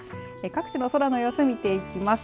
各地の空の様子を見ていきます。